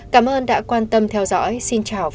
cảm ơn đã quan tâm theo dõi xin chào và hẹn gặp lại